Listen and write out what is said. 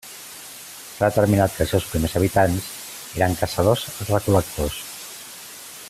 S'ha determinat que els seus primers habitants eren caçadors-recol·lectors.